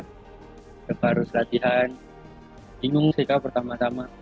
kita harus latihan bingung sikap pertama tama